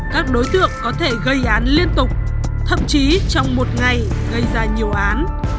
các đối tượng có thể gây án liên tục thậm chí trong một ngày gây ra nhiều án